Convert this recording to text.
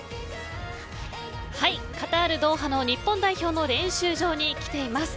カタール、ドーハの日本代表の練習場に来ています。